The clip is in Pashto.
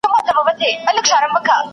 یوه نه ده را سره زر خاطرې دي